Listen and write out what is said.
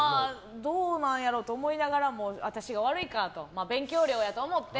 どうなんやろうと思いながらも私が悪いかと勉強料やと思って。